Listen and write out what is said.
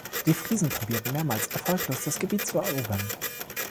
Die Friesen probierten mehrmals erfolglos das Gebiet zu erobern.